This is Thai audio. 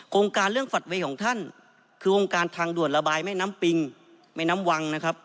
โครงการเรื่องฝัดเวย์ของท่านคือวงการทางด่วนระบายแม่น้ำปิงแม่น้ำวังนะครับ